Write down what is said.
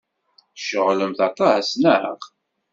Tceɣlemt aṭas, naɣ?